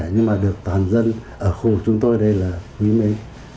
nhưng mà được toàn dân ở khu vực chúng tôi đây là quý mến